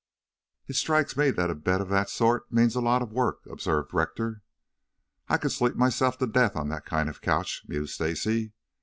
"It strikes me that a bed of that sort means a lot of work," observed Rector. "I could sleep myself to death on that kind of couch," mused Stacy.